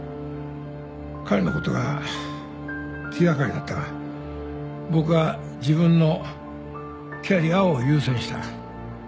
彼のことが気掛かりだったが僕は自分のキャリアを優先した。